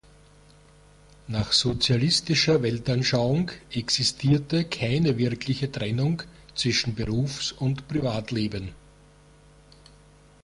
Nach sozialistischer Weltanschauung existierte keine wirkliche Trennung zwischen Berufs- und Privatleben.